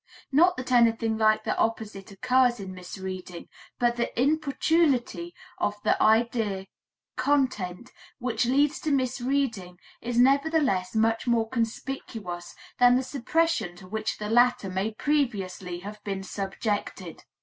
Not that anything like the opposite occurs in misreading, but the importunity of the idea content which leads to misreading is nevertheless much more conspicuous than the suppression to which the latter may previously have been subjected.